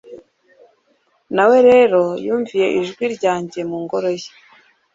na we rero yumvira ijwi ryanjye mu Ngoro ye